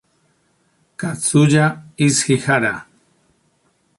Katsuya Ishihara